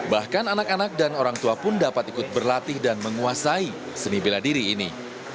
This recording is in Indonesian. bahkan anak anak dan orang tua pun dapat ikut berlatih dan menguasai seni bela diri ini